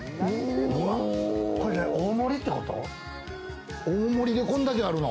大盛りってこと？